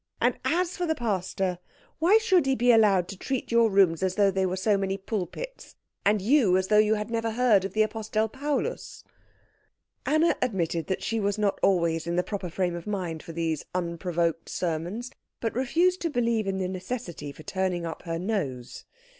And as for the pastor, why should he be allowed to treat your rooms as though they were so many pulpits, and you as though you had never heard of the Apostel Paulus?" Anna admitted that she was not always in the proper frame of mind for these unprovoked sermons, but refused to believe in the necessity for turning up her nose.